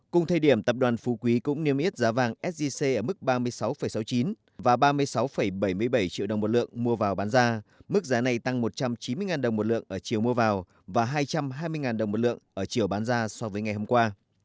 cùng thời điểm tập đoàn phú quý cũng niêm yết giá vàng sgc ở mức ba mươi sáu sáu mươi chín và ba mươi sáu bảy mươi bảy triệu đồng một lượng mua vào bán ra mức giá này tăng một trăm chín mươi đồng một lượng ở chiều mua vào và hai trăm hai mươi đồng một lượng ở chiều bán ra so với ngày hôm qua